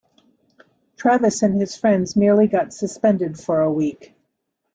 Travis and his friends merely got suspended for a week.